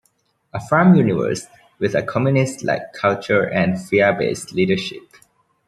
A farm universe, with a communist like culture and fear based leadership.